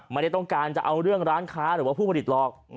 ไม่ได้ต้องการจะเอาเรื่องร้านค้าหรือว่าผู้ผลิตหรอก